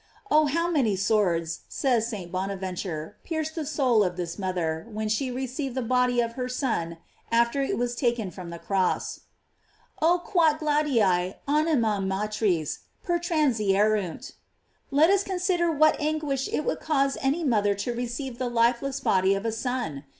Oh, how many swords, says St. Bonaventure, pierced the soul of this mother, when she received the body of her Son after it was taken from the cross: " O quot gladii animam matris pertransierunt!" Let us consider what anguish it would cause any mother to receive the lifeless body of a son!